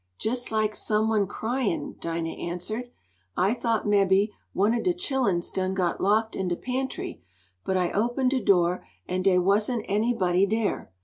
"Jes like some one cryin'," Dinah answered. "I thought mebby one ob de chilluns done got locked in de pantry, but I opened de do', an' dey wasn't anybody dere.